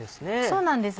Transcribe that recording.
そうなんです